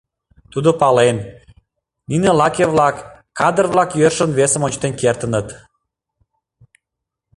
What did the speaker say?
Тудо пален: нине лаке-влак, кадыр-влак йӧршын весым ончыктен кертыныт.